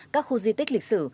các khu di tích lịch sử